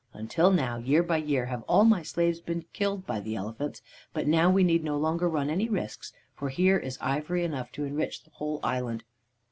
Until now, year by year have all my slaves been killed by the elephants, but now we need no longer run any risks, for here is ivory enough to enrich the whole island.'